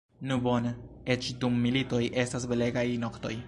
Nu, bone, eĉ dum militoj estas belegaj noktoj.